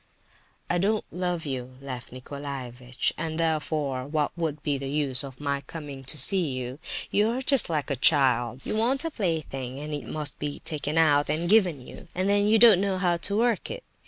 "I don't love you, Lef Nicolaievitch, and, therefore, what would be the use of my coming to see you? You are just like a child—you want a plaything, and it must be taken out and given you—and then you don't know how to work it.